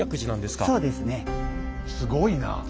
すごいな！